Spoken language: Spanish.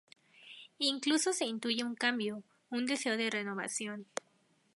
Incluso se intuye un cambio, un deseo de renovación.